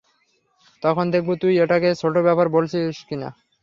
তখন দেখবো তুই এটাকে ছোটো ব্যাপার বলিস কিনা!